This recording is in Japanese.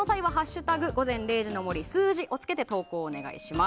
「＃午前０時の森数字」をつけて投稿をお願いします。